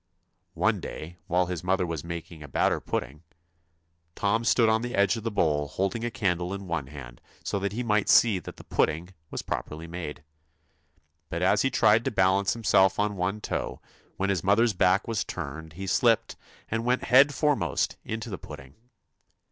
One day while his mother was making a batter 200 pudding, Tom stood on the edge of the bowl holding TOM a candle in one hand so that he might see that the THUMB pudding was properly made. But as he tried to balance himself on one toe, when his mother's back was turned he slipped and went head foremost into the pudding.